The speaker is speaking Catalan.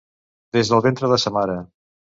Des del ventre de sa mare.